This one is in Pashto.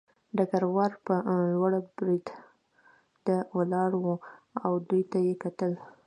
ډګروال په لوړه برنډه ولاړ و او دوی ته یې کتل